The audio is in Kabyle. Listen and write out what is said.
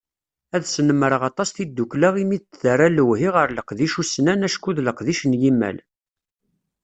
Ad snemreɣ aṭas tiddukkla imi i d-terra lewhi ɣer leqdic ussnan acku d leqdic n yimal.